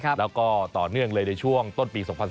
แล้วก็ต่อเนื่องเลยในช่วงต้นปี๒๐๑๙